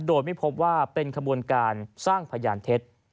โดยไม่พบว่าเป็นขบวนการสร้างพยานเท็จ